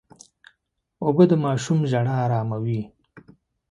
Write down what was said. اوبه د ماشوم ژړا اراموي.